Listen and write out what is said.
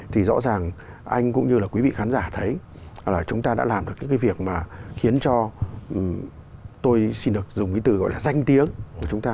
thì rõ ràng anh cũng như là quý vị khán giả thấy là chúng ta đã làm được những cái việc mà khiến cho tôi xin được dùng cái từ gọi là danh tiếng của chúng ta